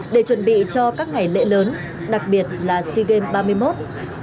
để chuẩn bị cho các ngày lễ lớn đặc biệt là sea games ba mươi một